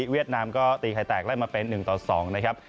เวียดนามก็ตีไขแตกเล่นมาเป็น๑๒ครับ